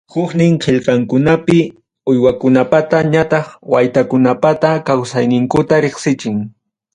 Huknin qillqankunapi uywakunapata ñataq waytakunapata kawsanninkuta riqsichin.